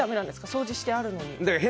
掃除してあるのに。